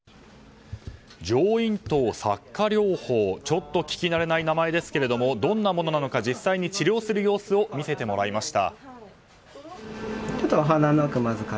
ちょっと聞き慣れない名前ですけどどんなものなのか実際に治療する様子を見せてもらいました。